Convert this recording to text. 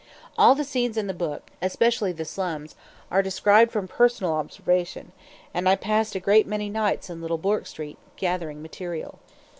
All the scenes in the book, especially the slums, are described from personal observation; and I passed a great many nights in Little Bourke Street, gathering material.